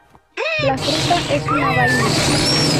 La fruta es una vaina.